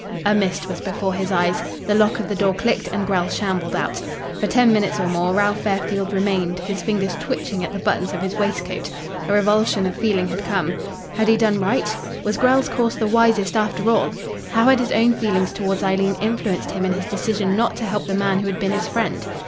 A mist was before his eyes. The lock of the door clicked and Grell shambled out. For ten minutes or more Ralph Fairfield remained, his fingers twitching at the buttons of his waistcoat. A revulsion of feeling had come. Had he done right? Was Grell's course the wisest, after all? How had his own feelings towards Eileen influenced him in his decision not to help the man who had been his friend?